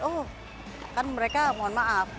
oh kan mereka mohon maaf